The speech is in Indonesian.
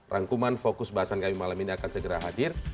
rangkuman fokus bahasan kami malam ini akan segera hadir